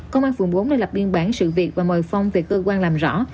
công an phường bốn đã lập biên bản sự việc và mời phong về cơ quan làm rõ